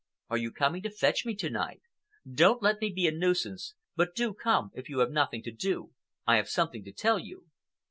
Are you coming to fetch me to night? Don't let me be a nuisance, but do come if you have nothing to do. I have something to tell you.